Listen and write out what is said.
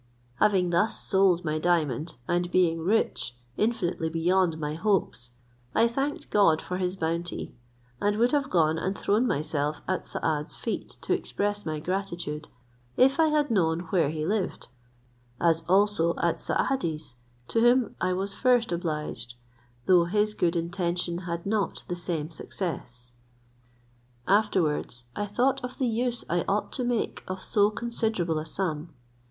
Having thus sold my diamond, and being rich, infinitely beyond my hopes, I thanked God for his bounty; and would have gone and thrown myself at Saad's feet to express my gratitude, if I had known where he lived; as also at Saadi's, to whom I was first obliged, though his good intention had not the same success. Afterwards I thought of the use I ought to make of so considerable a sum.